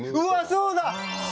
そうだ！